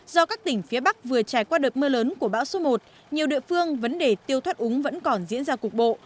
do các tỉnh phía bắc vừa trải qua đợt mưa lớn của bão số một nhiều địa phương vấn đề tiêu thoát úng vẫn còn diễn ra cục bộ